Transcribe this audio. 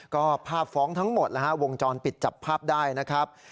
ก็ภาพฟ้องทั้งหมดนะฮะวงจรปิดจับภาพได้นะครับ